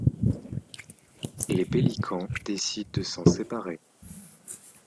Les Pelicans décident de s'en séparer.